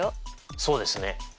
そうですね。